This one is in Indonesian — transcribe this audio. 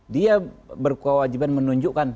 dia berwajiban menunjukkan